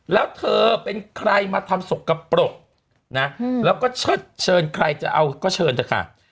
แล้วเธอเป็นใครมาทำสกปรกนะแล้วก็เชิดเชิญใครจะเอาก็เชิญเถอะค่ะ